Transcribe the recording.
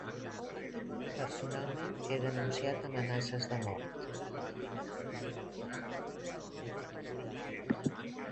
Personalment, he denunciat amenaces de mort.